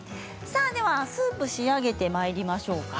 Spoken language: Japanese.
スープ、仕上げてまいりましょうか。